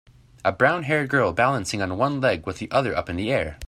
A brownhaired girl balancing on one leg with the other up in the air.